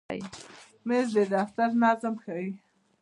مېز د دفتر نظم ښیي.